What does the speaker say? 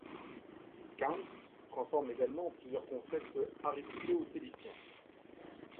Kant transforme également plusieurs concepts aristotéliciens.